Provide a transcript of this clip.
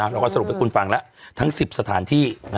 เราก็สรุปให้คุณฟังแล้วทั้ง๑๐สถานที่